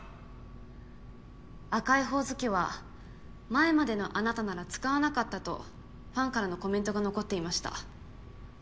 赤いホオズキは前までのあなたなら使わなかったとファンからのコメントが残っていました。